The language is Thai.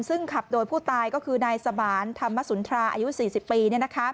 ซึ่งขับโดยผู้ตายก็คือนายสมานธรรมสุนทราอายุ๔๐ปี